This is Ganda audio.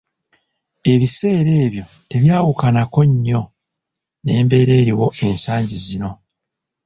Ebiseera ebyo tebyawukanako nnyo n'embeera eriwo ensangi zino.